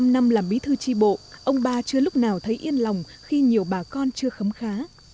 bảy mươi năm năm làm bí thư tri bộ ông ba chưa lúc nào thấy yên lòng khi nhiều bà con chưa khấm khá